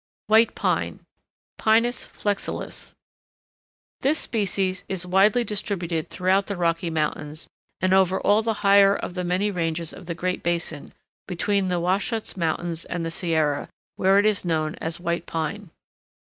WHITE PINE (Pinus flexilis) This species is widely distributed throughout the Rocky Mountains, and over all the higher of the many ranges of the Great Basin, between the Wahsatch Mountains and the Sierra, where it is known as White Pine.